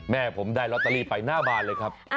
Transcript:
แม่ผมได้ลอตเตอรี่ไปหน้าบานเลยครับ